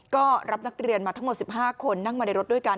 ก็รับนักเรียนมาทั้งหมด๑๕คนนั่งมาในรถด้วยกัน